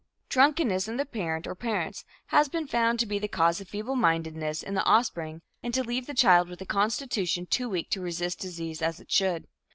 Drunkenness in the parent or parents has been found to be the cause of feeblemindedness in the offspring and to leave the child with a constitution too weak to resist disease as it should.